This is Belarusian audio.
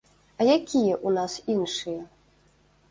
А якія ў нас іншыя?